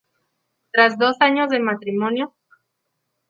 Tras dos años de matrimonio.